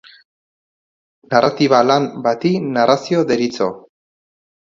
Narratiba lan bati narrazio deritzo.